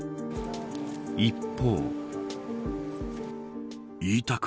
一方。